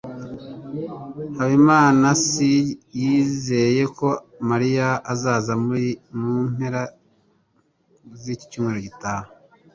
Habimanaasi yizeye ko Mariya azaza mu mpera z'icyumweru gitaha.